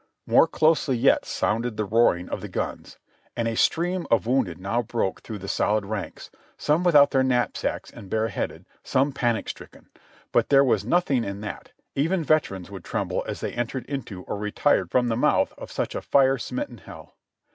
More closely yet sounded the roaring of the guns, and a stream of wounded now broke through the solid ranks, some without their knapsacks and bare headed, some panic stricken ; but there was nothing in that — even veterans would tremble as they entered into or retired from the mouth of such a fire smitten hell.